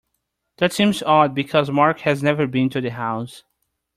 That seems odd because Mark has never been to the house.